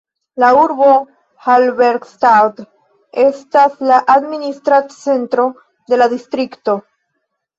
La urbo Halberstadt estas la administra centro de la distrikto.